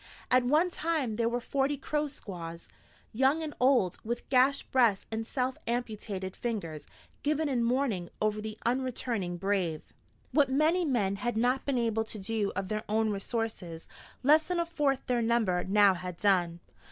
At one time there were forty Crow squaws, young and old, with gashed breasts and self amputated fingers, given in mourning over the unreturning brave. What many men had not been able to do of their own resources, less than a fourth their number now had done.